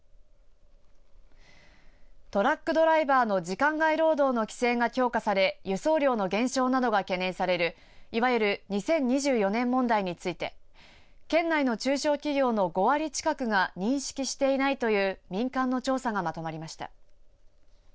トラックドライバーの時間外労働の規制が強化され輸送量の減少などが懸念されるいわゆる２０２４年問題について県内の中小企業の５割近くが認識していないという民間の調査がまとまりました。